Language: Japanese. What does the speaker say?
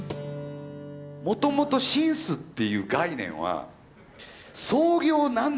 もともと「シンス」っていう概念は創業何年。